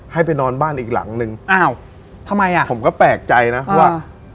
ให้ไปนอนบ้านอีกหลังนึงอ้าวทำไมอ่ะผมก็แปลกใจนะว่า